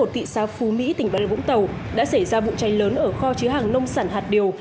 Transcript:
thị xã phú mỹ tỉnh bà rịa vũng tàu đã xảy ra vụ cháy lớn ở kho chứa hàng nông sản hạt điều